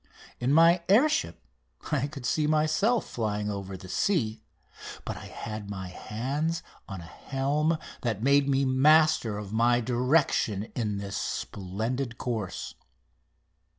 In my air ship I could see myself flying over the sea, but I had my hands on a helm that made me master of my direction in this splendid course.